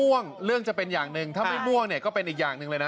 ม่วงเรื่องจะเป็นอย่างหนึ่งถ้าไม่ม่วงเนี่ยก็เป็นอีกอย่างหนึ่งเลยนะ